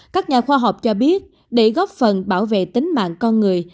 các nhà khoa học cho biết để góp phần bảo vệ tính mạng con người